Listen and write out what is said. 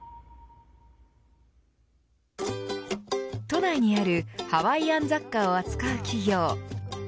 都内にあるハワイアン雑貨を扱う企業。